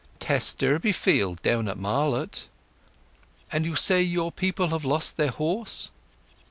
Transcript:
"Tess Durbeyfield, down at Marlott." "And you say your people have lost their horse?"